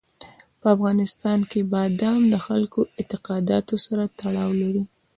په افغانستان کې بادام د خلکو د اعتقاداتو سره تړاو لري.